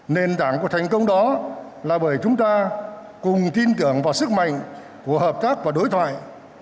nền tảng của thành công đó là bởi chúng ta cùng tin tưởng vào sức mạnh của hợp tác và đối thoại